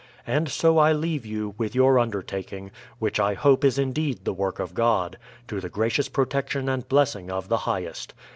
And so I leave you, with your undertaking (which I hope is indeed the work of God), to the gracious protection and blessing of the Highest.